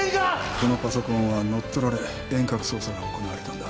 このパソコンは乗っ取られ遠隔操作が行われたんだ。